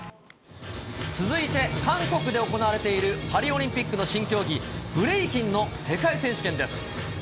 続いて、韓国で行われているパリオリンピックの新競技、ブレイキンの世界選手権です。